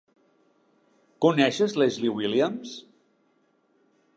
Coneixes Leslie Williams?